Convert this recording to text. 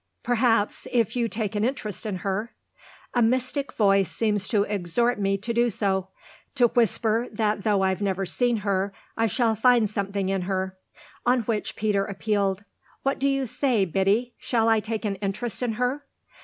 "Perhaps if you take an interest in her!" "A mystic voice seems to exhort me to do so, to whisper that though I've never seen her I shall find something in her." On which Peter appealed. "What do you say, Biddy shall I take an interest in her?"